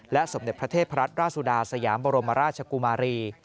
สมเด็จพระเทพรัตนราชสุดาสยามบรมราชกุมารี